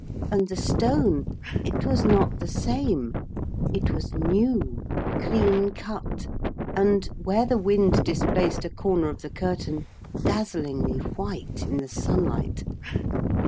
And the stone it was not the same. It was new, clean cut, and, where the wind displaced a corner of the curtain, dazzlingly white in the sunlight.